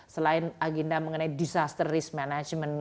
selain agenda mengenai disaster risk management